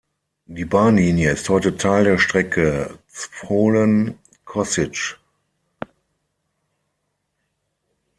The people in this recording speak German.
Die Bahnlinie ist heute Teil der Strecke Zvolen–Košice.